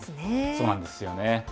そうなんですよね。